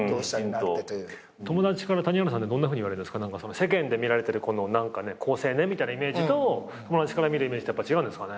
世間で見られてる好青年みたいなイメージと友達から見るイメージってやっぱ違うんですかね？